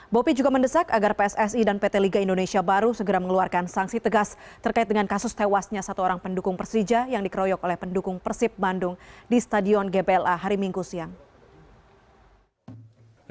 bopi juga mendesak agar pssi dan pt liga indonesia baru segera mengeluarkan sanksi tegas terkait dengan kasus tewasnya satu orang pendukung persija yang dikeroyok oleh pendukung persib bandung di stadion gbla hari minggu siang